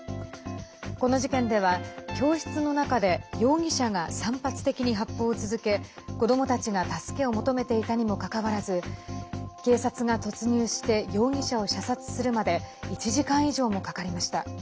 この事件では教室の中で容疑者が散発的に発砲を続け子どもたちが助けを求めていたにもかかわらず警察が突入して容疑者を射殺するまで１時間以上もかかりました。